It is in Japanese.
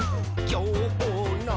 「きょうの」